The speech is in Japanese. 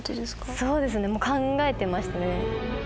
そうですねもう考えてましたね。